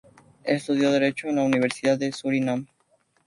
Estudió Derecho en la Universidad de Surinam.